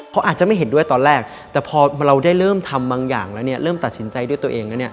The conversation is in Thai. เขาอาจจะไม่เห็นด้วยตอนแรกแต่พอเราได้เริ่มทำบางอย่างแล้วเนี่ยเริ่มตัดสินใจด้วยตัวเองแล้วเนี่ย